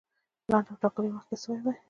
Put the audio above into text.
لنډ او ټاکلي وخت کې سوی وای.